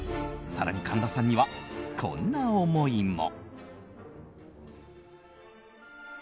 更に、神田さんにはこんな思いも。